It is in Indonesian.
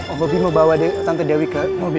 om bopi mau bawa tante dewi ke mobil